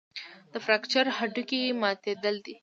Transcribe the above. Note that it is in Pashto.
د فراکچر هډوکی ماتېدل دي.